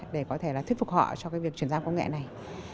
để có thể là thuyết phục họ cho cái việc chuyển giao công nghệ này